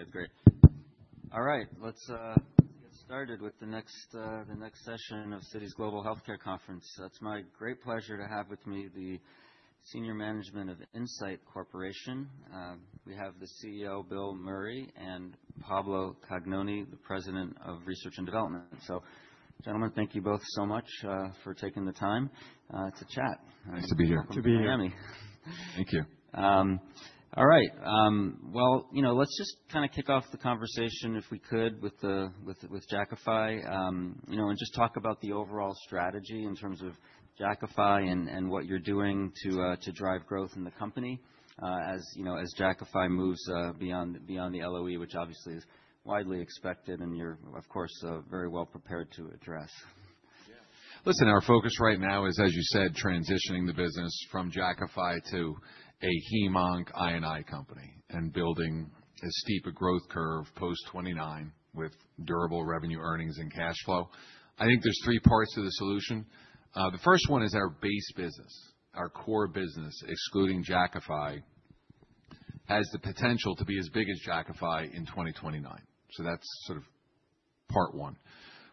Okay, great. All right, let's get started with the next session of Citi's Global Healthcare Conference. It's my great pleasure to have with me the senior management of Incyte Corporation. We have the CEO, Hervé Hoppenot, and Pablo Cagnoni, the president of research and development. Gentlemen, thank you both so much for taking the time to chat. Nice to be here. Nice to be here. Thank you. All right, you know, let's just kind of kick off the conversation, if we could, with Jakafi, you know, and just talk about the overall strategy in terms of Jakafi and what you're doing to drive growth in the company as Jakafi moves beyond the LOE, which obviously is widely expected and you're, of course, very well prepared to address. Listen, our focus right now is, as you said, transitioning the business from Jakafi to a Hem/Onc I&I company and building a steep growth curve post 2029 with durable revenue, earnings, and cash flow. I think there's three parts to the solution. The first one is our base business, our core business, excluding Jakafi, has the potential to be as big as Jakafi in 2029. That's sort of part one.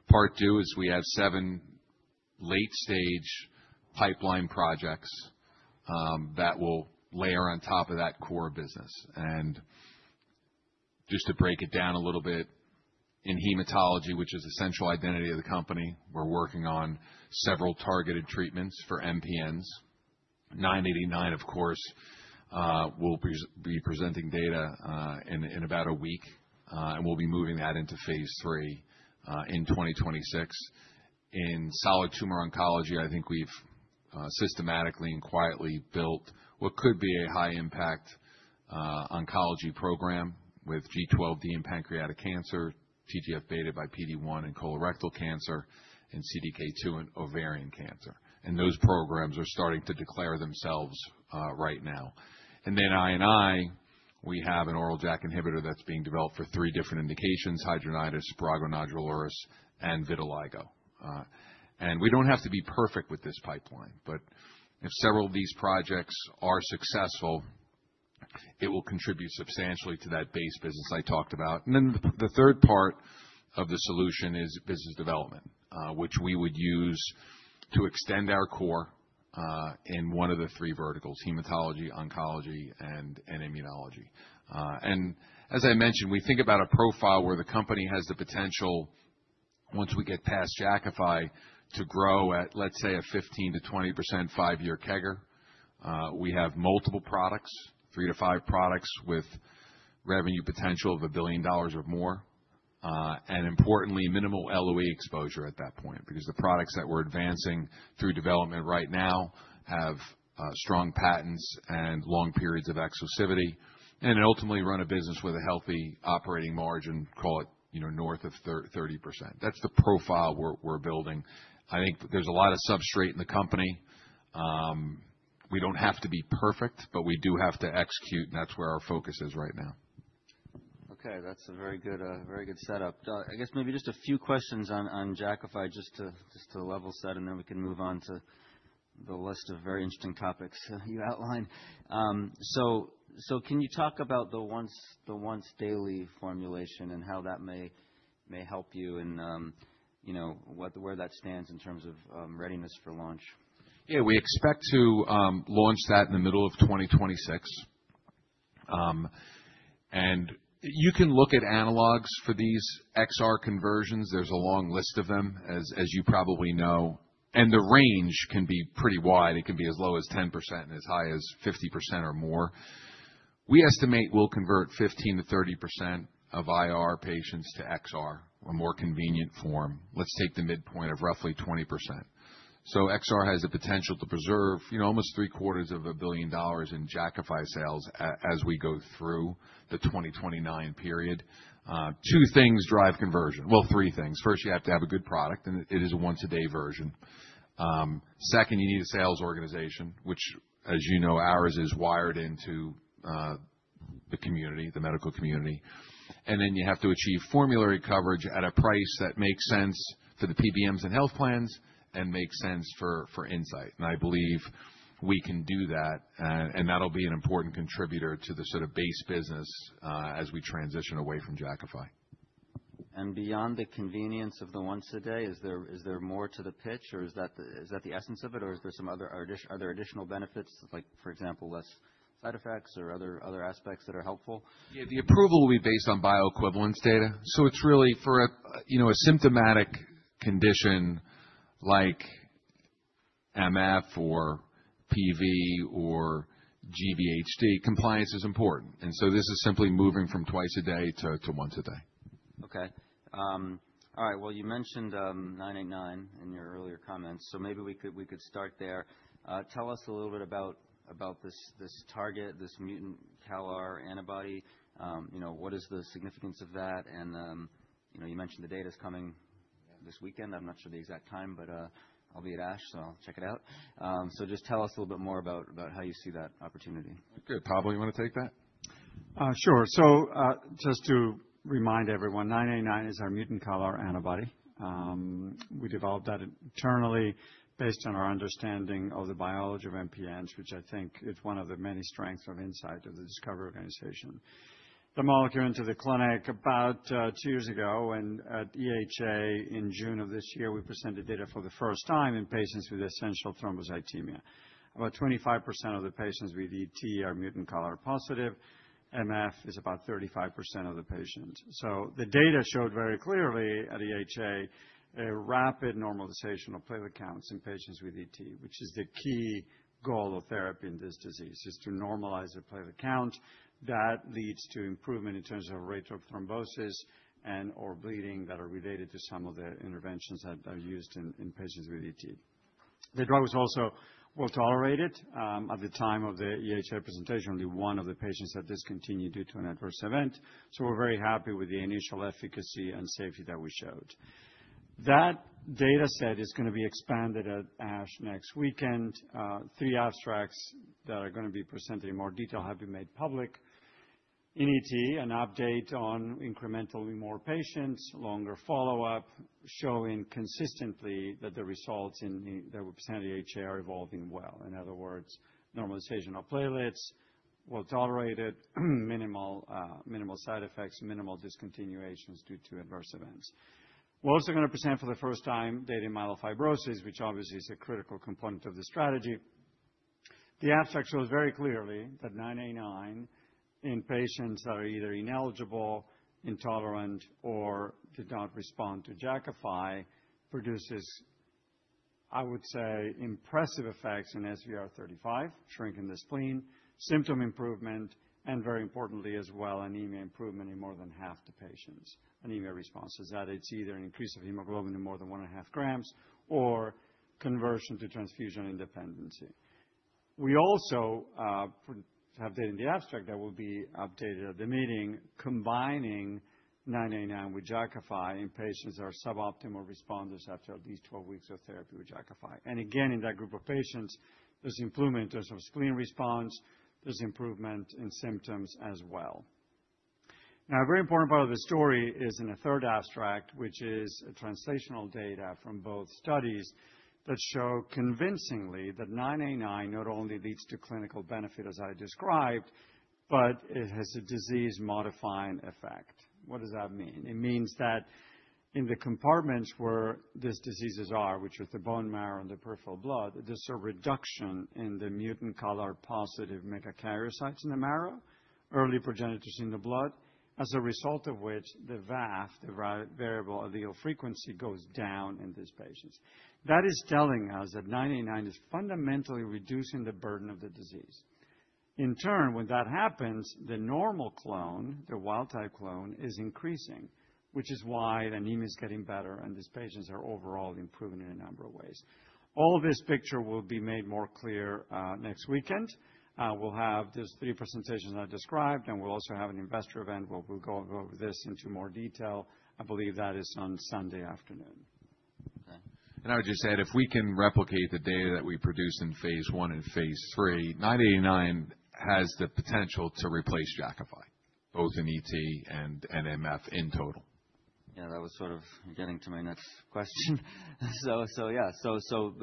Part two is we have seven late-stage pipeline projects that will layer on top of that core business. Just to break it down a little bit, in hematology, which is the central identity of the company, we're working on several targeted treatments for myeloproliferative neoplasms. 989, of course, will be presenting data in about a week, and we'll be moving that into phase III in 2026. In solid tumor oncology, I think we've systematically and quietly built what could be a high-impact oncology program with G12D in pancreatic cancer, TGF beta by PD1 in colorectal cancer, and CDK2 in ovarian cancer. Those programs are starting to declare themselves right now. In I&I, we have an oral JAK inhibitor that's being developed for three different indications: hidradenitis, prurigo nodularis, and vitiligo. We don't have to be perfect with this pipeline, but if several of these projects are successful, it will contribute substantially to that base business I talked about. The third part of the solution is business development, which we would use to extend our core in one of the three verticals: hematology, oncology, and immunology. As I mentioned, we think about a profile where the company has the potential, once we get past Jakafi, to grow at, let's say, a 15%-20% five-year CAGR. We have multiple products, three to five products with revenue potential of $1 billion or more, and importantly, minimal LOE exposure at that point, because the products that we're advancing through development right now have strong patents and long periods of exclusivity, and ultimately run a business with a healthy operating margin, call it, you know, north of 30%. That's the profile we're building. I think there's a lot of substrate in the company. We don't have to be perfect, but we do have to execute, and that's where our focus is right now. Okay, that's a very good setup. I guess maybe just a few questions on Jakafi, just to level set, and then we can move on to the list of very interesting topics you outlined. Can you talk about the once-daily formulation and how that may help you and, you know, where that stands in terms of readiness for launch? Yeah, we expect to launch that in the middle of 2026. You can look at analogs for these XR conversions. There's a long list of them, as you probably know, and the range can be pretty wide. It can be as low as 10% and as high as 50% or more. We estimate we'll convert 15%-30% of IR patients to XR, a more convenient form. Let's take the midpoint of roughly 20%. XR has the potential to preserve, you know, almost three quarters of a billion dollars in Jakafi sales as we go through the 2029 period. Two things drive conversion. Well, three things. First, you have to have a good product, and it is a once-a-day version. Second, you need a sales organization, which, as you know, ours is wired into the community, the medical community. You have to achieve formulary coverage at a price that makes sense for the PBMs and health plans and makes sense for Incyte. I believe we can do that, and that'll be an important contributor to the sort of base business as we transition away from Jakafi. Beyond the convenience of the once-a-day, is there more to the pitch, or is that the essence of it, or are there some other additional benefits, like, for example, less side effects or other aspects that are helpful? Yeah, the approval will be based on bioequivalence data. It is really for, you know, a symptomatic condition like MF or PV or GVHD, compliance is important. This is simply moving from twice a day to once a day. Okay. All right, you mentioned 989 in your earlier comments, so maybe we could start there. Tell us a little bit about this target, this mutant CalR antibody. You know, what is the significance of that? You know, you mentioned the data's coming this weekend. I'm not sure the exact time, but I'll be at ASH, so I'll check it out. Just tell us a little bit more about how you see that opportunity. Good. Pablo, you want to take that? Sure. Just to remind everyone, 989 is our mutant CalR antibody. We developed that internally based on our understanding of the biology of MPNs, which I think is one of the many strengths of Incyte, of the Discover organization. The molecule entered the clinic about two years ago, and at EHA in June of this year, we presented data for the first time in patients with essential thrombocythemia. About 25% of the patients with ET are mutant CalR positive. MF is about 35% of the patients. The data showed very clearly at EHA a rapid normalization of platelet counts in patients with ET, which is the key goal of therapy in this disease, to normalize the platelet count. That leads to improvement in terms of rate of thrombosis and/or bleeding that are related to some of the interventions that are used in patients with ET. The drug was also well tolerated. At the time of the EHA presentation, only one of the patients had discontinued due to an adverse event. We are very happy with the initial efficacy and safety that we showed. That data set is going to be expanded at ASH next weekend. Three abstracts that are going to be presented in more detail have been made public. In ET, an update on incrementally more patients, longer follow-up, showing consistently that the results that were presented at EHA are evolving well. In other words, normalization of platelets, well tolerated, minimal side effects, minimal discontinuations due to adverse events. We are also going to present for the first time data in myelofibrosis, which obviously is a critical component of the strategy. The abstract shows very clearly that 989 in patients that are either ineligible, intolerant, or did not respond to Jakafi produces, I would say, impressive effects in SVR35, shrink in the spleen, symptom improvement, and very importantly, as well, anemia improvement in more than half the patients, anemia responses, that it's either an increase of hemoglobin to more than 1.5 grams or conversion to transfusion independency. We also have data in the abstract that will be updated at the meeting, combining 989 with Jakafi in patients that are suboptimal responders after at least 12 weeks of therapy with Jakafi. Again, in that group of patients, there's improvement in terms of spleen response. There's improvement in symptoms as well. Now, a very important part of the story is in a third abstract, which is translational data from both studies that show convincingly that 989 not only leads to clinical benefit, as I described, but it has a disease-modifying effect. What does that mean? It means that in the compartments where these diseases are, which are the bone marrow and the peripheral blood, there's a reduction in the mutant CalR positive megakaryocytes in the marrow, early progenitors in the blood, as a result of which the VAF, the variant allele frequency, goes down in these patients. That is telling us that 989 is fundamentally reducing the burden of the disease. In turn, when that happens, the normal clone, the wild-type clone, is increasing, which is why anemia is getting better, and these patients are overall improving in a number of ways. All this picture will be made more clear next weekend. We'll have those three presentations I described, and we'll also have an investor event where we'll go over this into more detail. I believe that is on Sunday afternoon. Okay. I would just add, if we can replicate the data that we produce in phase I and phase III, 989 has the potential to replace Jakafi, both in ET and MF in total. Yeah, that was sort of getting to my next question. Yeah,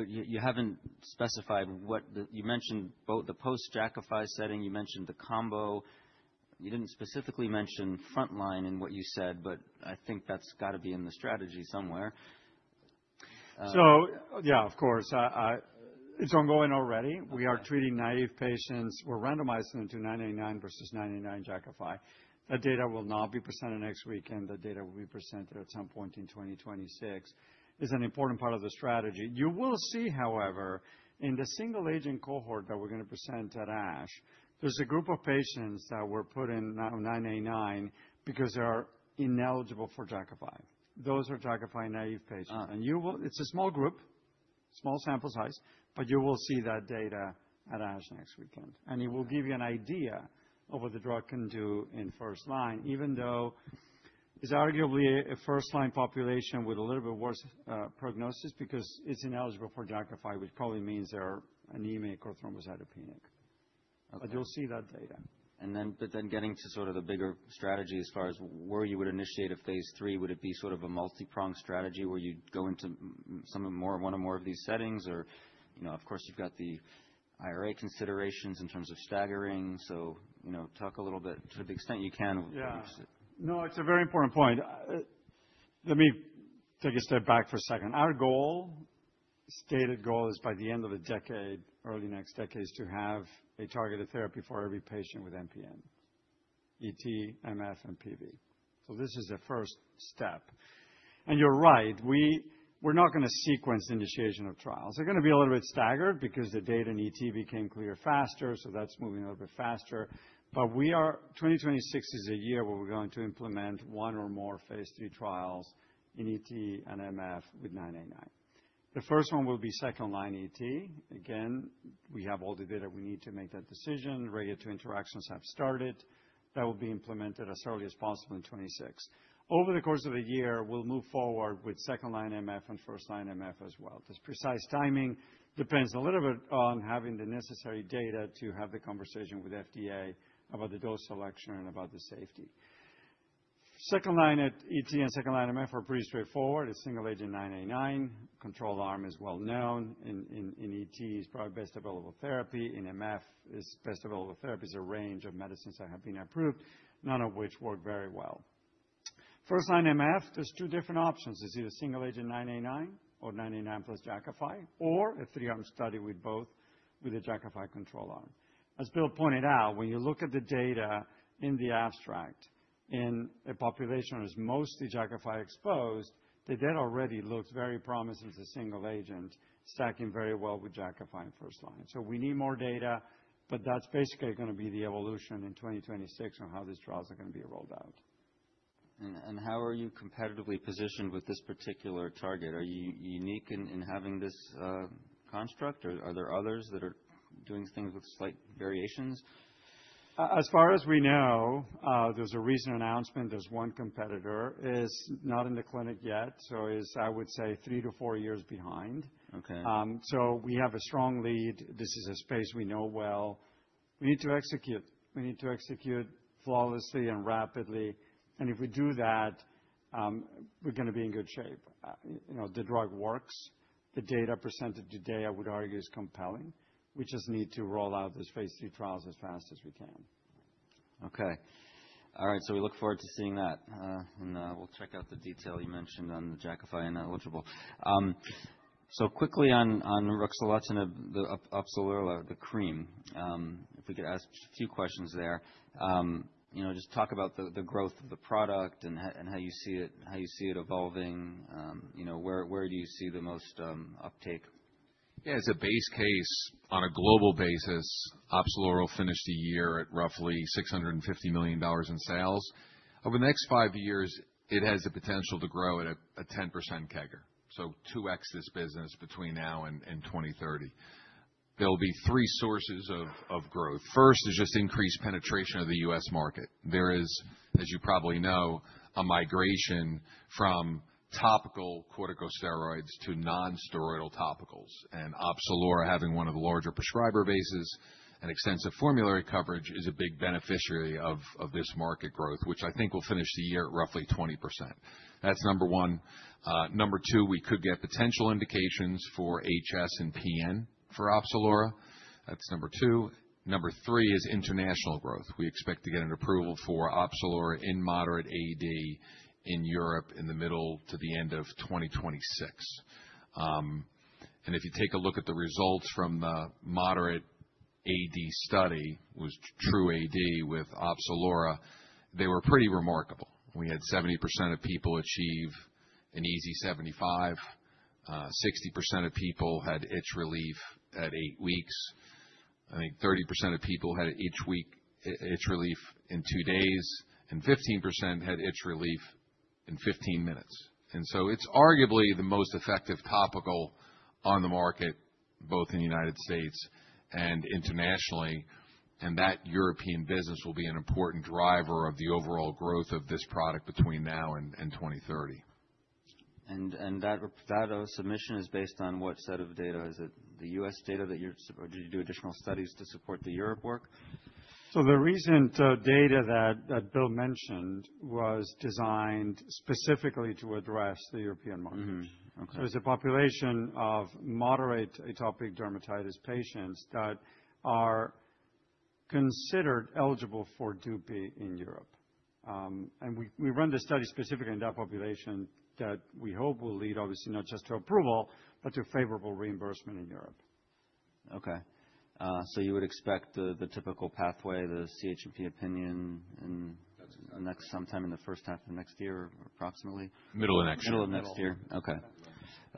you have not specified what you mentioned, both the post-Jakafi setting, you mentioned the combo. You did not specifically mention frontline in what you said, but I think that has got to be in the strategy somewhere. Yeah, of course, it's ongoing already. We are treating naive patients. We're randomizing into 989 versus 989 Jakafi. That data will not be presented next weekend. The data will be presented at some point in 2026. It's an important part of the strategy. You will see, however, in the single-agent cohort that we're going to present at ASH, there's a group of patients that were put in 989 because they are ineligible for Jakafi. Those are Jakafi naive patients. You will, it's a small group, small sample size, but you will see that data at ASH next weekend. It will give you an idea of what the drug can do in first line, even though it's arguably a first-line population with a little bit worse prognosis because it's ineligible for Jakafi, which probably means they're anemic or thrombocytopenic. You'll see that data. Then, getting to sort of the bigger strategy as far as where you would initiate a phase III, would it be sort of a multi-pronged strategy where you'd go into some of more, one or more of these settings? You know, of course, you've got the IRA considerations in terms of staggering. You know, talk a little bit to the extent you can. Yeah. No, it's a very important point. Let me take a step back for a second. Our goal, stated goal, is by the end of the decade, early next decade, is to have a targeted therapy for every patient with MPN, ET, MF, and PV. This is the first step. You're right. We're not going to sequence initiation of trials. They're going to be a little bit staggered because the data in ET became clear faster, so that's moving a little bit faster. We are, 2026 is a year where we're going to implement one or more phase III trials in ET and MF with 989. The first one will be second-line ET. Again, we have all the data we need to make that decision. Regulatory interactions have started. That will be implemented as early as possible in 2026. Over the course of the year, we'll move forward with second-line MF and first-line MF as well. This precise timing depends a little bit on having the necessary data to have the conversation with FDA about the dose selection and about the safety. Second-line ET and second-line MF are pretty straightforward. It's single-agent 989. Control arm is well known. In ET, it's probably best available therapy. In MF, it's best available therapy. There's a range of medicines that have been approved, none of which work very well. First-line MF, there's two different options. It's either single-agent 989 or 989 plus Jakafi, or a three-arm study with both, with a Jakafi control arm. As Hervé pointed out, when you look at the data in the abstract, in a population that is mostly Jakafi exposed, the data already looks very promising as a single-agent, stacking very well with Jakafi in first line. We need more data, but that's basically going to be the evolution in 2026 on how these trials are going to be rolled out. How are you competitively positioned with this particular target? Are you unique in having this construct, or are there others that are doing things with slight variations? As far as we know, there's a recent announcement. There's one competitor. It's not in the clinic yet, so I would say three to four years behind. We have a strong lead. This is a space we know well. We need to execute. We need to execute flawlessly and rapidly. If we do that, we're going to be in good shape. You know, the drug works. The data presented today, I would argue, is compelling. We just need to roll out those phase III trials as fast as we can. Okay. All right. We look forward to seeing that, and we'll check out the detail you mentioned on the Jakafi ineligible. Quickly on ruxolitinib, the Opzelura, the cream, if we could ask a few questions there, you know, just talk about the growth of the product and how you see it evolving. You know, where do you see the most uptake? Yeah, as a base case on a global basis, Opzelura finished the year at roughly $650 million in sales. Over the next five years, it has the potential to grow at a 10% CAGR, so 2x this business between now and 2030. There will be three sources of growth. First is just increased penetration of the U.S. market. There is, as you probably know, a migration from topical corticosteroids to nonsteroidal topicals. Opzelura, having one of the larger prescriber bases and extensive formulary coverage, is a big beneficiary of this market growth, which I think will finish the year at roughly 20%. That's number one. Number two, we could get potential indications for HS and PN for Opzelura. That's number two. Number three is international growth. We expect to get an approval for Opzelura in moderate AD in Europe in the middle to the end of 2026. If you take a look at the results from the moderate AD study, it was true AD with Opzelura. They were pretty remarkable. We had 70% of people achieve an EASI-75. 60% of people had itch relief at eight weeks. I think 30% of people had itch relief in two days, and 15% had itch relief in 15 minutes. It is arguably the most effective topical on the market, both in the United States and internationally. That European business will be an important driver of the overall growth of this product between now and 2030. That submission is based on what set of data? Is it the U.S. data that you're doing additional studies to support the Europe work? The recent data that Hervé mentioned was designed specifically to address the European market. It is a population of moderate atopic dermatitis patients that are considered eligible for DUPI in Europe. We run the study specifically in that population that we hope will lead, obviously, not just to approval, but to favorable reimbursement in Europe. Okay. You would expect the typical pathway, the CHMP opinion in sometime in the first half of next year approximately? Middle of next year. Middle of next year. Okay.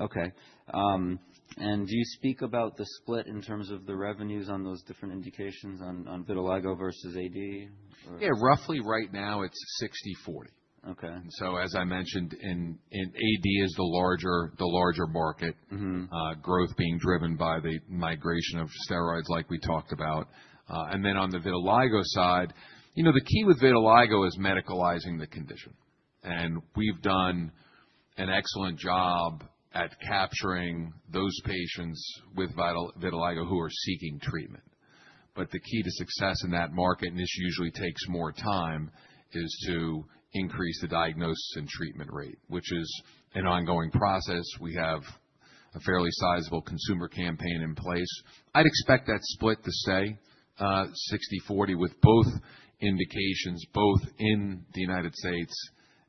Okay. Do you speak about the split in terms of the revenues on those different indications on vitiligo versus AD? Yeah, roughly right now it's 60-40. Okay. As I mentioned, in AD is the larger market, growth being driven by the migration of steroids like we talked about. You know, the key with Vitiligo is medicalizing the condition. We have done an excellent job at capturing those patients with Vitiligo who are seeking treatment. The key to success in that market, and this usually takes more time, is to increase the diagnosis and treatment rate, which is an ongoing process. We have a fairly sizable consumer campaign in place. I would expect that split to stay 60-40 with both indications, both in the United States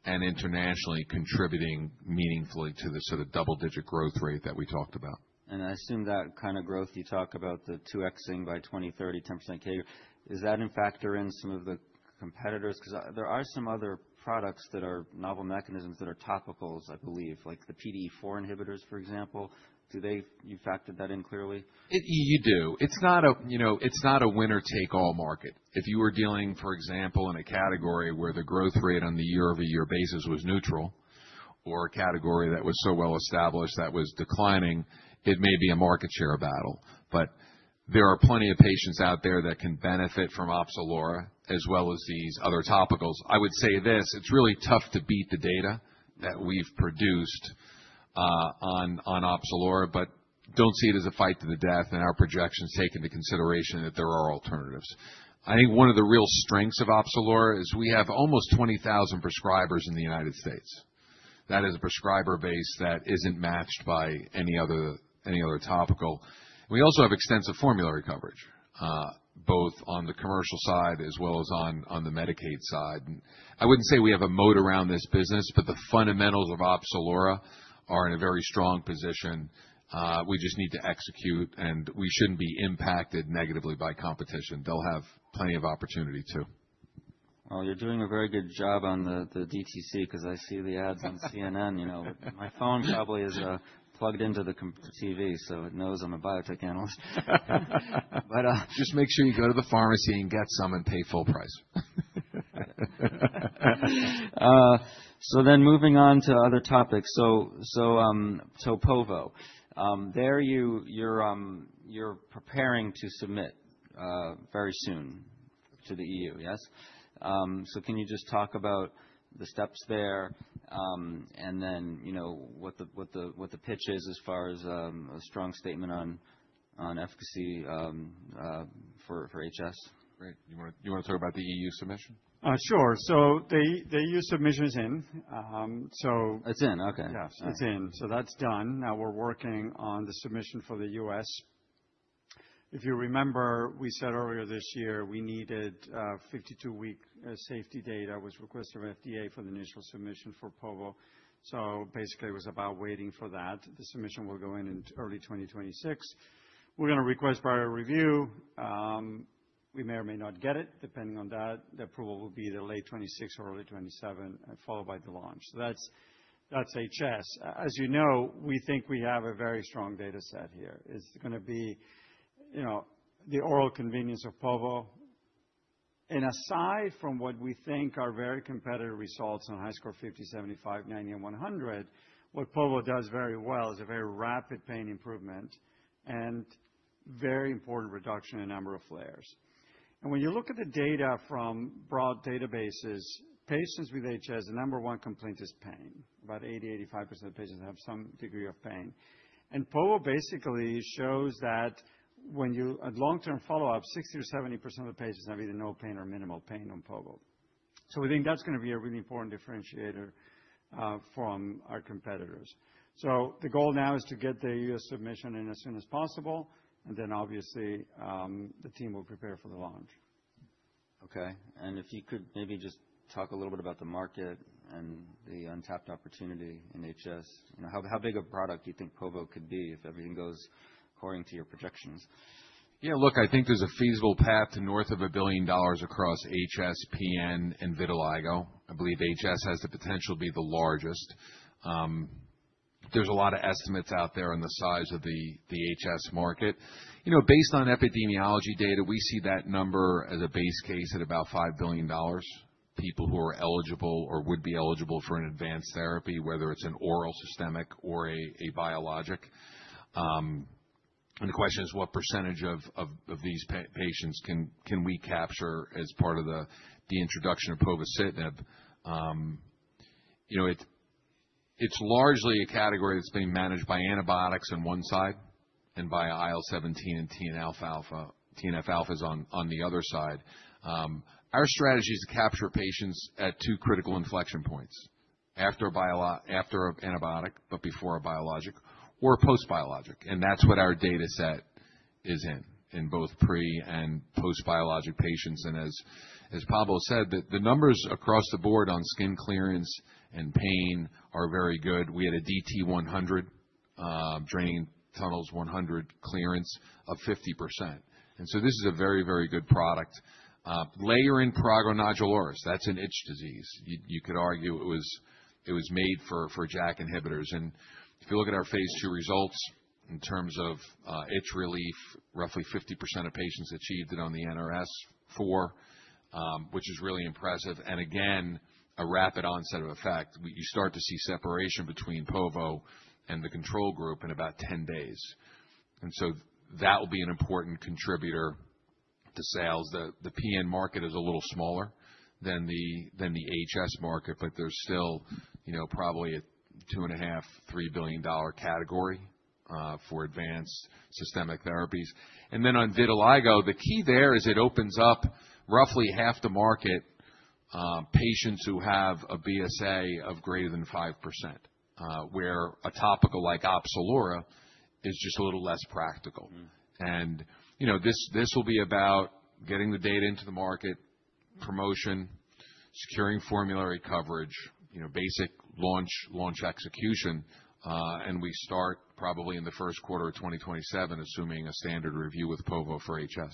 and internationally, contributing meaningfully to the sort of double-digit growth rate that we talked about. I assume that kind of growth you talk about, the 2X-ing by 2030, 10% CAGR, is that in factor in some of the competitors? Because there are some other products that are novel mechanisms that are topicals, I believe, like the PDE4 inhibitors, for example. Do they factor that in clearly? You do. It's not a, you know, it's not a winner-take-all market. If you were dealing, for example, in a category where the growth rate on the year-over-year basis was neutral or a category that was so well established that was declining, it may be a market share battle. There are plenty of patients out there that can benefit from Opzelura as well as these other topicals. I would say this, it's really tough to beat the data that we've produced on Opzelura, but I don't see it as a fight to the death. Our projection is taking into consideration that there are alternatives. I think one of the real strengths of Opzelura is we have almost 20,000 prescribers in the United States. That is a prescriber base that isn't matched by any other topical. We also have extensive formulary coverage, both on the commercial side as well as on the Medicaid side. I would not say we have a moat around this business, but the fundamentals of Opzelura are in a very strong position. We just need to execute, and we should not be impacted negatively by competition. They will have plenty of opportunity too. You're doing a very good job on the DTC because I see the ads on CNN. You know, my phone probably is plugged into the TV, so it knows I'm a biotech analyst. Just make sure you go to the pharmacy and get some and pay full price. Then moving on to other topics. Tropovo, there you're preparing to submit very soon to the EU, yes? Can you just talk about the steps there and then, you know, what the pitch is as far as a strong statement on efficacy for HS? Great. You want to talk about the EU submission? Sure. The EU submission is in. So. It's in. Okay. Yeah, it's in. That's done. Now we're working on the submission for the U.S. If you remember, we said earlier this year we needed 52-week safety data. It was requested by FDA for the initial submission for povorcitinib. Basically, it was about waiting for that. The submission will go in in early 2026. We're going to request prior review. We may or may not get it. Depending on that, the approval will be late 2026 or early 2027, followed by the launch. That's HS. As you know, we think we have a very strong data set here. It's going to be, you know, the oral convenience of povorcitinib. Aside from what we think are very competitive results on HiSCR50, 75, 90, and 100, what povorcitinib does very well is a very rapid pain improvement and very important reduction in number of flares. When you look at the data from broad databases, patients with HS, the number one complaint is pain. About 80-85% of patients have some degree of pain. Povorcitinib basically shows that when you have long-term follow-up, 60% or 70% of the patients have either no pain or minimal pain on povorcitinib. We think that's going to be a really important differentiator from our competitors. The goal now is to get the U.S. submission in as soon as possible. Obviously, the team will prepare for the launch. Okay. If you could maybe just talk a little bit about the market and the untapped opportunity in HS, you know, how big a product do you think povorcitinib could be if everything goes according to your projections? Yeah, look, I think there's a feasible path to north of a billion dollars across HS, PN, and vitiligo. I believe HS has the potential to be the largest. There's a lot of estimates out there on the size of the HS market. You know, based on epidemiology data, we see that number as a base case at about 5 million people who are eligible or would be eligible for an advanced therapy, whether it's an oral, systemic, or a biologic. The question is, what percentage of these patients can we capture as part of the introduction of povorcitinib? You know, it's largely a category that's being managed by antibiotics on one side and by IL-17 and TNF alpha. TNF alpha is on the other side. Our strategy is to capture patients at two critical inflection points: after a biologic, but before a biologic, or post-biologic. That is what our data set is in, in both pre and post-biologic patients. As Pablo said, the numbers across the board on skin clearance and pain are very good. We had a DT100 draining tunnels 100 clearance of 50%. This is a very, very good product. Layer in prurigo nodularis. That is an itch disease. You could argue it was made for JAK inhibitors. If you look at our phase II results in terms of itch relief, roughly 50% of patients achieved it on the NRS4, which is really impressive. Again, a rapid onset of effect. You start to see separation between povorcitinib and the control group in about 10 days. That will be an important contributor to sales. The PN market is a little smaller than the HS market, but there's still, you know, probably a $2.5 billion-$3 billion category for advanced systemic therapies. On vitiligo, the key there is it opens up roughly half the market, patients who have a BSA of greater than 5%, where a topical like Opzelura is just a little less practical. You know, this will be about getting the data into the market, promotion, securing formulary coverage, you know, basic launch, launch execution. We start probably in the first quarter of 2027, assuming a standard review with povorcitinib for HS.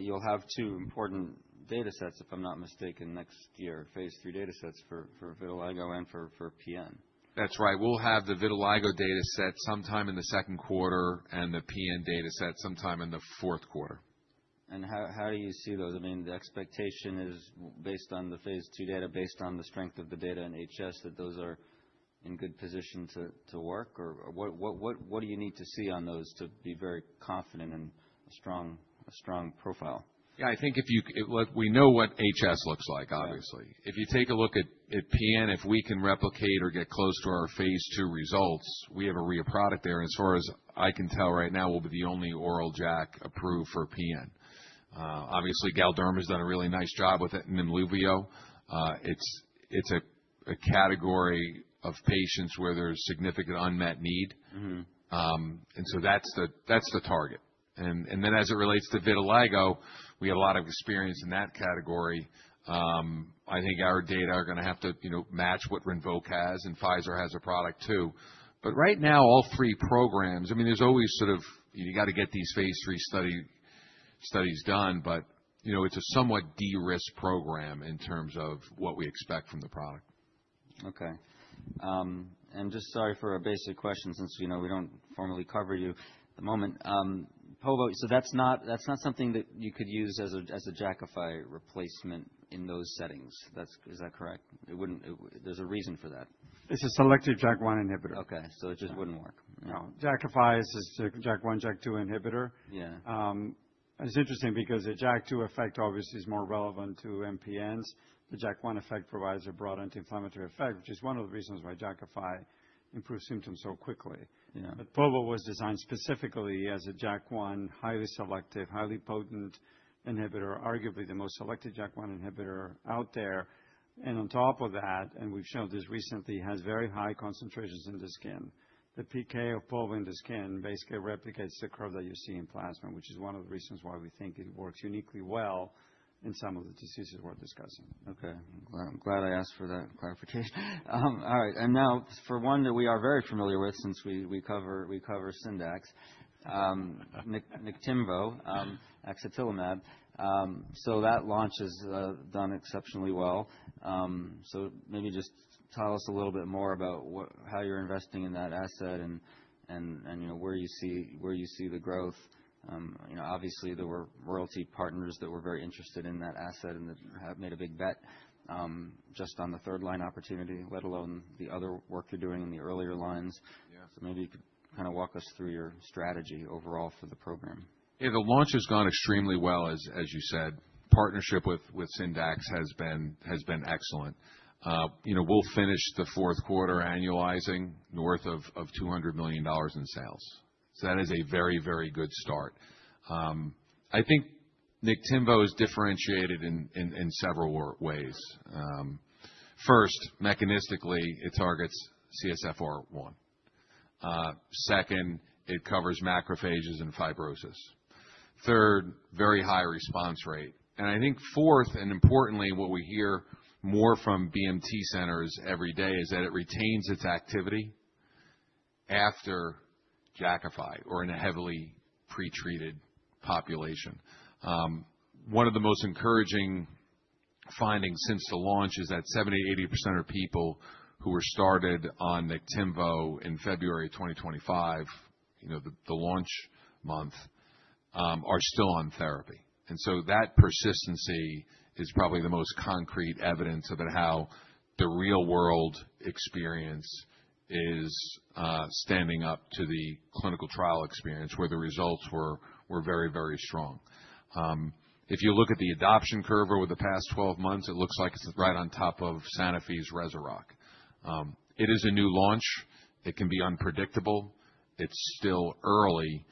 You will have two important data sets, if I'm not mistaken, next year, phase III data sets for vitiligo and for PN. That's right. We'll have the vitiligo data set sometime in the second quarter and the PN data set sometime in the fourth quarter. How do you see those? I mean, the expectation is based on the phase II data, based on the strength of the data in HS, that those are in good position to work? What do you need to see on those to be very confident in a strong profile? Yeah, I think if you know what HS looks like, obviously. If you take a look at PN, if we can replicate or get close to our phase II results, we have a real product there. As far as I can tell right now, we'll be the only oral JAK approved for PN. Galderma has done a really nice job with it and Nemluvio. It's a category of patients where there's significant unmet need. That's the target. As it relates to vitiligo, we have a lot of experience in that category. I think our data are going to have to, you know, match what Rinvoq has, and Pfizer has a product too. Right now, all three programs, I mean, there's always sort of, you got to get these phase III studies done, but, you know, it's a somewhat de-risk program in terms of what we expect from the product. Okay. Just sorry for a basic question since, you know, we don't formally cover you at the moment. Povorcitinib, so that's not something that you could use as a Jakafi replacement in those settings. Is that correct? There's a reason for that. It's a selective JAK1 inhibitor. Okay. It just wouldn't work. No. Jakafi is a JAK1, JAK2 inhibitor. Yeah. It's interesting because the JAK2 effect obviously is more relevant to MPNs. The JAK1 effect provides a broad anti-inflammatory effect, which is one of the reasons why Jakafi improves symptoms so quickly. Yeah. Tropovo was designed specifically as a JAK1 highly selective, highly potent inhibitor, arguably the most selective JAK1 inhibitor out there. On top of that, and we've shown this recently, has very high concentrations in the skin. The PK of Tropovo in the skin basically replicates the curve that you see in plasma, which is one of the reasons why we think it works uniquely well in some of the diseases we're discussing. Okay. I'm glad I asked for that clarification. All right. Now for one that we are very familiar with since we cover Syndax, Niktimvo, axatilimab. That launch has done exceptionally well. Maybe just tell us a little bit more about how you're investing in that asset and, you know, where you see the growth. You know, obviously, there were royalty partners that were very interested in that asset and that have made a big bet just on the third line opportunity, let alone the other work you're doing in the earlier lines. Maybe you could kind of walk us through your strategy overall for the program. Yeah, the launch has gone extremely well, as you said. Partnership with Syndax has been excellent. You know, we'll finish the fourth quarter annualizing north of $200 million in sales. That is a very, very good start. I think Niktimvo is differentiated in several ways. First, mechanistically, it targets CSF-1R. Second, it covers macrophages and fibrosis. Third, very high response rate. I think fourth, and importantly, what we hear more from BMT centers every day is that it retains its activity after Jakafi or in a heavily pretreated population. One of the most encouraging findings since the launch is that 70-80% of people who were started on Niktimvo in February 2025, you know, the launch month, are still on therapy. That persistency is probably the most concrete evidence about how the real-world experience is standing up to the clinical trial experience where the results were very, very strong. If you look at the adoption curve over the past 12 months, it looks like it is right on top of Sanofi's Rezurock. It is a new launch. It can be unpredictable. It is still early,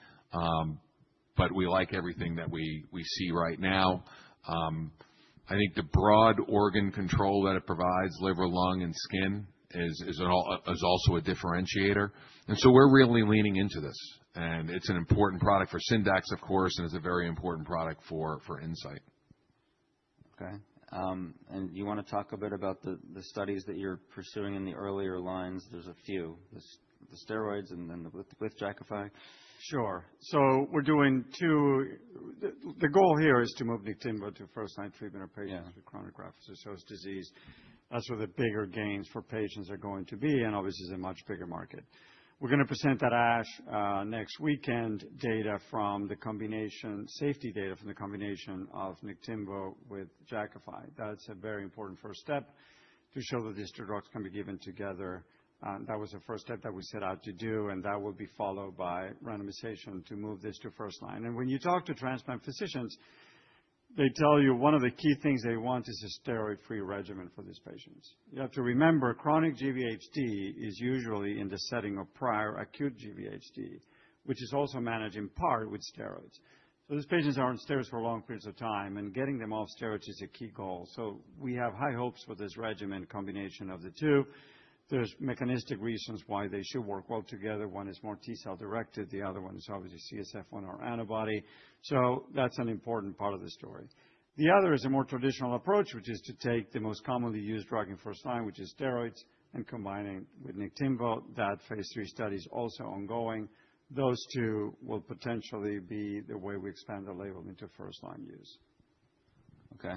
but we like everything that we see right now. I think the broad organ control that it provides, liver, lung, and skin, is also a differentiator. We are really leaning into this. It is an important product for Syndax, of course, and it is a very important product for Incyte. Okay. You want to talk a bit about the studies that you're pursuing in the earlier lines? There's a few, the steroids and then with Jakafi. Sure. We are doing two. The goal here is to move Niktimvo to first-line treatment of patients with chronic refluctuous disease. That is where the bigger gains for patients are going to be, and obviously, it is a much bigger market. We are going to present at ASH next weekend data from the combination, safety data from the combination of Niktimvo with Jakafi. That is a very important first step to show that these two drugs can be given together. That was the first step that we set out to do, and that will be followed by randomization to move this to first line. When you talk to transplant physicians, they tell you one of the key things they want is a steroid-free regimen for these patients. You have to remember, chronic GVHD is usually in the setting of prior acute GVHD, which is also managed in part with steroids. These patients are on steroids for long periods of time, and getting them off steroids is a key goal. We have high hopes for this regimen, combination of the two. There are mechanistic reasons why they should work well together. One is more T-cell directed. The other one is obviously CSF-1R antibody. That is an important part of the story. The other is a more traditional approach, which is to take the most commonly used drug in first line, which is steroids, and combine it with Niktimvo. That phase III study is also ongoing. Those two will potentially be the way we expand the label into first-line use. Okay.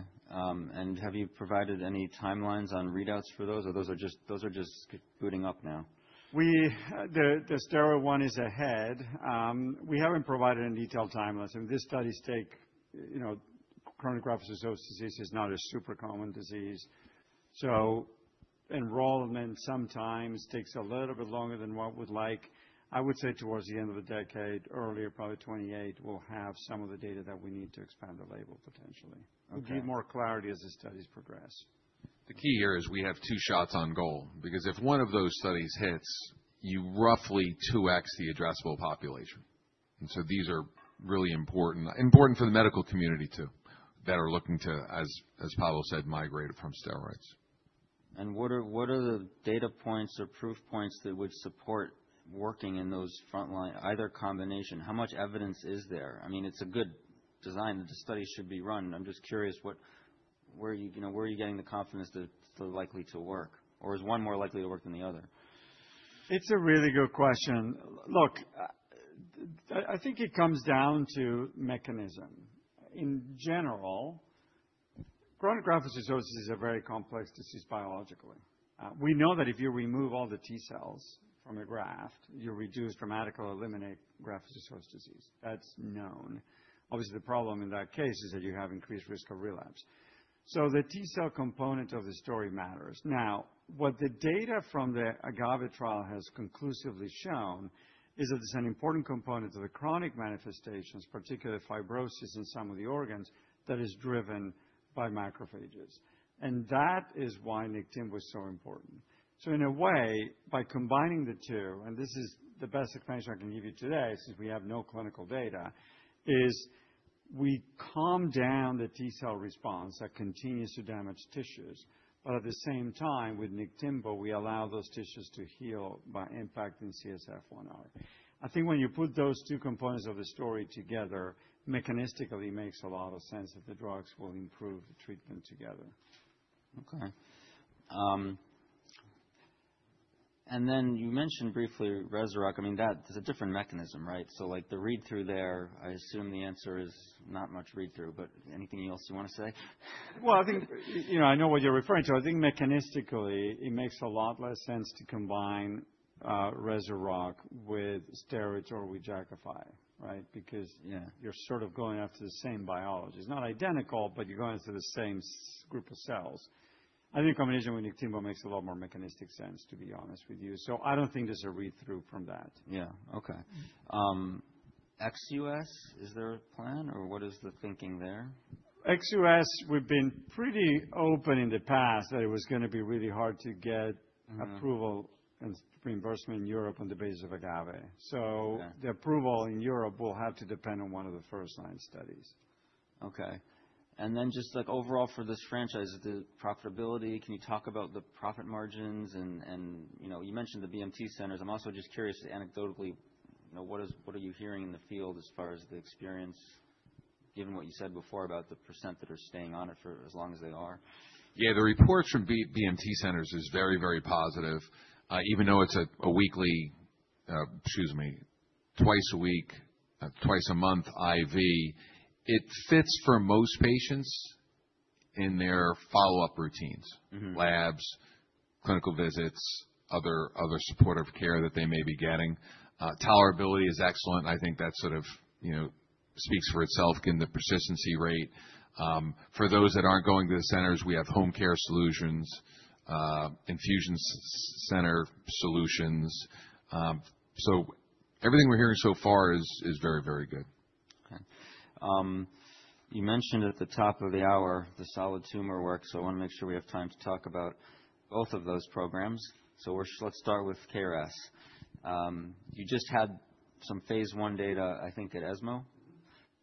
Have you provided any timelines on readouts for those? Or those are just booting up now? The steroid one is ahead. We haven't provided any detailed timelines. I mean, these studies take, you know, chronic relapsing disease is not a super common disease. So enrollment sometimes takes a little bit longer than what we'd like. I would say towards the end of the decade, earlier, probably 2028, we'll have some of the data that we need to expand the label potentially. We'll give more clarity as the studies progress. The key here is we have two shots on goal, because if one of those studies hits, you roughly two-x the addressable population. These are really important, important for the medical community too, that are looking to, as Pablo said, migrate from steroids. What are the data points or proof points that would support working in those front line, either combination? How much evidence is there? I mean, it's a good design. The study should be run. I'm just curious what, where are you, you know, where are you getting the confidence that it's likely to work? Or is one more likely to work than the other? It's a really good question. Look, I think it comes down to mechanism. In general, chronic graft-versus-host disease is a very complex disease biologically. We know that if you remove all the T-cells from a graft, you reduce dramatically or eliminate graft-versus-host disease. That's known. Obviously, the problem in that case is that you have increased risk of relapse. So the T-cell component of the story matters. Now, what the data from the AGAVE trial has conclusively shown is that there's an important component of the chronic manifestations, particularly fibrosis in some of the organs, that is driven by macrophages. And that is why Niktimvo is so important. In a way, by combining the two, and this is the best explanation I can give you today, since we have no clinical data, is we calm down the T-cell response that continues to damage tissues. At the same time, with Niktimvo, we allow those tissues to heal by impacting CSF-1R. I think when you put those two components of the story together, mechanistically makes a lot of sense that the drugs will improve the treatment together. Okay. You mentioned briefly Rezurock. I mean, that's a different mechanism, right? Like the read-through there, I assume the answer is not much read-through, but anything else you want to say? I think, you know, I know what you're referring to. I think mechanistically, it makes a lot less sense to combine Rezurock with steroids or with Jakafi, right? Because you're sort of going after the same biology. It's not identical, but you're going after the same group of cells. I think combination with Niktimvo makes a lot more mechanistic sense, to be honest with you. I don't think there's a read-through from that. Yeah. Okay. XUS, is there a plan? Or what is the thinking there? XUS, we've been pretty open in the past that it was going to be really hard to get approval and reimbursement in Europe on the basis of AGAVE. The approval in Europe will have to depend on one of the first line studies. Okay. Just like overall for this franchise, the profitability, can you talk about the profit margins? You mentioned the BMT centers. I'm also just curious, anecdotally, you know, what are you hearing in the field as far as the experience, given what you said before about the % that are staying on it for as long as they are? Yeah, the reports from BMT centers are very, very positive. Even though it's a weekly, excuse me, twice a week, twice a month IV, it fits for most patients in their follow-up routines, labs, clinical visits, other supportive care that they may be getting. Tolerability is excellent. I think that sort of, you know, speaks for itself in the persistency rate. For those that aren't going to the centers, we have home care solutions, infusion center solutions. Everything we're hearing so far is very, very good. Okay. You mentioned at the top of the hour, the solid tumor work. I want to make sure we have time to talk about both of those programs. Let's start with KRAS. You just had some phase I data, I think, at ESMO.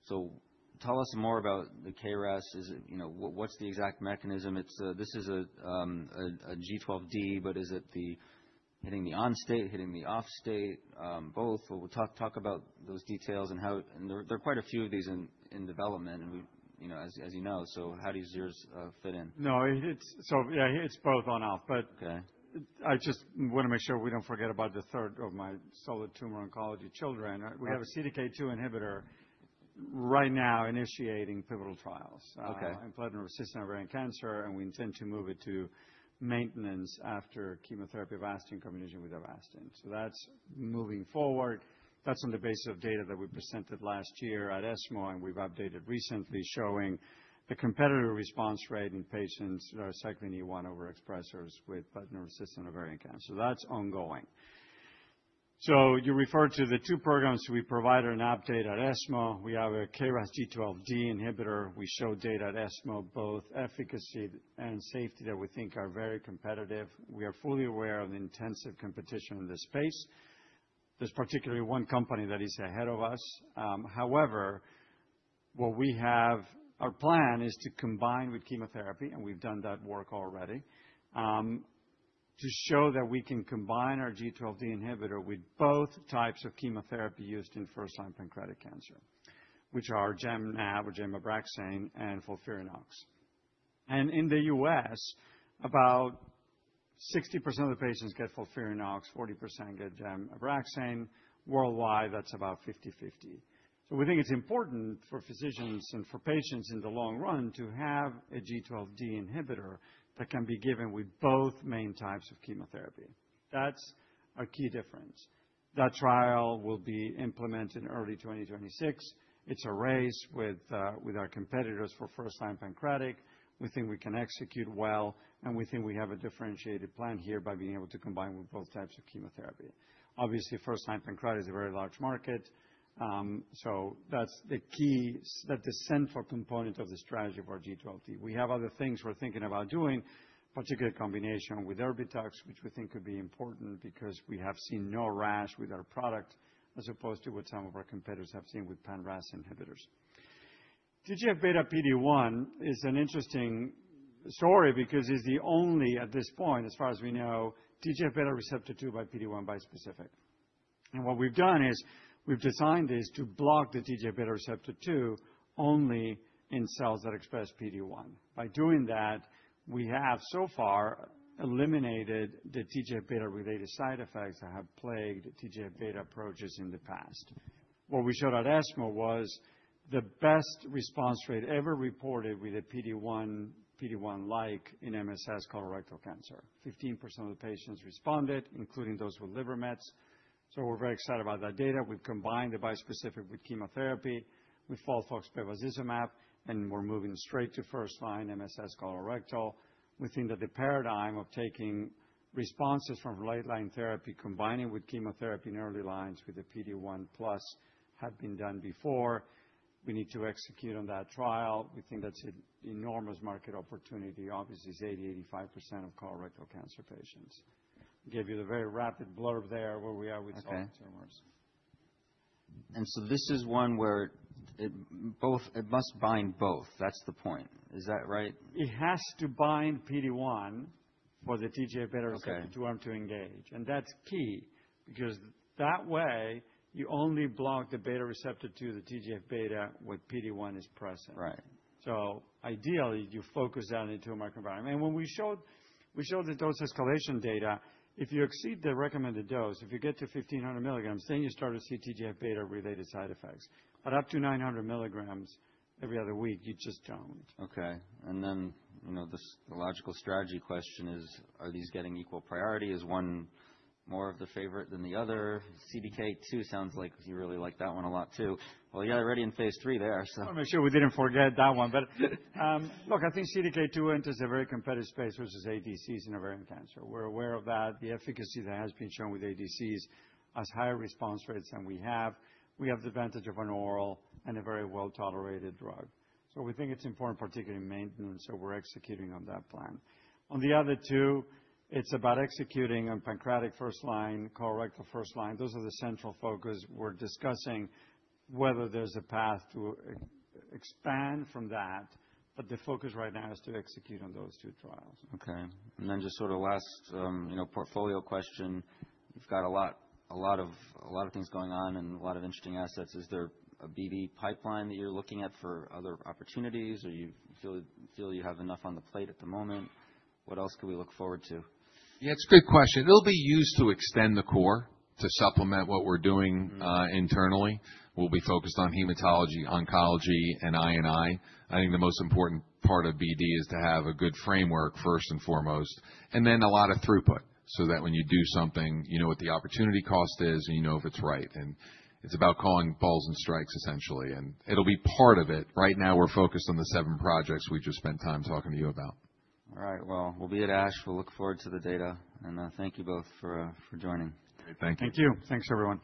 Tell us more about the KRAS. You know, what's the exact mechanism? This is a G12D, but is it hitting the on-state, hitting the off-state, both? Talk about those details and how, and there are quite a few of these in development, you know, as you know. How do yours fit in? No, it's, so yeah, it's both on-off, but I just want to make sure we don't forget about the third of my solid tumor oncology children. We have a CDK2 inhibitor right now initiating pivotal trials in platinum and resistant ovarian cancer, and we intend to move it to maintenance after chemotherapy Avastin combination with Avastin. That's moving forward. That's on the basis of data that we presented last year at ESMO, and we've updated recently showing the competitive response rate in patients that are cycling E1 over expressors with platinum and resistant ovarian cancer. That's ongoing. You referred to the two programs we provide an update at ESMO. We have a KRAS G12D inhibitor. We show data at ESMO, both efficacy and safety that we think are very competitive. We are fully aware of the intensive competition in this space. There's particularly one company that is ahead of us. However, what we have, our plan is to combine with chemotherapy, and we've done that work already, to show that we can combine our G12D inhibitor with both types of chemotherapy used in first-line pancreatic cancer, which are Gem/Nab or Gem/Abraxane and FOLFIRINOX. In the U.S., about 60% of the patients get FOLFIRINOX, 40% get Gem/Abraxane. Worldwide, that's about 50-50. We think it's important for physicians and for patients in the long run to have a G12D inhibitor that can be given with both main types of chemotherapy. That's our key difference. That trial will be implemented in early 2026. It's a race with our competitors for first-line pancreatic. We think we can execute well, and we think we have a differentiated plan here by being able to combine with both types of chemotherapy. Obviously, first-line pancreatic is a very large market. That is the key, that is the central component of the strategy of our G12D. We have other things we are thinking about doing, particularly a combination with Erbitux, which we think could be important because we have seen no rash with our product as opposed to what some of our competitors have seen with PanRAS inhibitors. TGF beta PD1 is an interesting story because it is the only, at this point, as far as we know, TGF beta receptor 2 by PD1 bispecific. What we have done is we have designed this to block the TGF beta receptor 2 only in cells that express PD1. By doing that, we have so far eliminated the TGF beta-related side effects that have plagued TGF beta approaches in the past. What we showed at ESMO was the best response rate ever reported with a PD-1, PD-1-like in MSS colorectal cancer. 15% of the patients responded, including those with liver mets. We are very excited about that data. We have combined the bispecific with chemotherapy with FOLFOX, bevacizumab, and we are moving straight to first-line MSS colorectal. We think that the paradigm of taking responses from late-line therapy, combining with chemotherapy in early lines with the PD-1 plus had been done before. We need to execute on that trial. We think that is an enormous market opportunity. Obviously, it is 80-85% of colorectal cancer patients. Gave you the very rapid blurb there where we are with solid tumors. This is one where it both, it must bind both. That's the point. Is that right? It has to bind PD-1 for the TGFβRII to engage. That is key because that way you only block the TGFβRII, the TGF beta, when PD-1 is present. Right. Ideally, you focus that into a microenvironment. When we showed the dose escalation data, if you exceed the recommended dose, if you get to 1,500 milligrams, then you start to see TGF beta-related side effects. Up to 900 milligrams every other week, you just do not. Okay. And then, you know, the logical strategy question is, are these getting equal priority? Is one more of the favorite than the other? CDK2 sounds like you really like that one a lot too. You are already in phase III there, so. I want to make sure we didn't forget that one. Look, I think CDK2 enters a very competitive space versus ADCs in ovarian cancer. We're aware of that. The efficacy that has been shown with ADCs has higher response rates than we have. We have the advantage of an oral and a very well-tolerated drug. We think it's important, particularly in maintenance, so we're executing on that plan. On the other two, it's about executing on pancreatic first line, colorectal first line. Those are the central focus. We're discussing whether there's a path to expand from that, but the focus right now is to execute on those two trials. Okay. Just sort of last, you know, portfolio question. You've got a lot, a lot of, a lot of things going on and a lot of interesting assets. Is there a BB pipeline that you're looking at for other opportunities? Or you feel you have enough on the plate at the moment? What else can we look forward to? Yeah, it's a good question. It'll be used to extend the core to supplement what we're doing internally. We'll be focused on hematology, oncology, and I&I. I think the most important part of BD is to have a good framework first and foremost, and then a lot of throughput so that when you do something, you know what the opportunity cost is and you know if it's right. It's about calling balls and strikes, essentially. It'll be part of it. Right now, we're focused on the seven projects we just spent time talking to you about. All right. We will be at ASH, we will look forward to the data. Thank you both for joining. Great. Thank you. Thank you. Thanks, everyone.